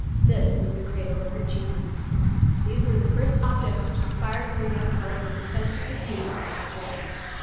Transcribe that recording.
This was the cradle of her genius. These were the first objects which inspired her young heart with a sense of the beauties of nature.